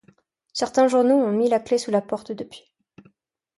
Certains journaux ont mis la clef sous la porte depuis.